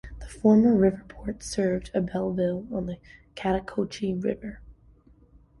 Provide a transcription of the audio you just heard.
The former river port served Abbeville on the Chattahoochee River.